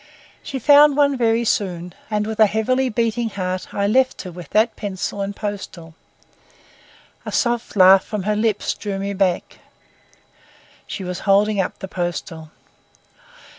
She found one very soon, and with a heavily beating heart I left her with that pencil and postal. A soft laugh from her lips drew me back. She was holding up the postal.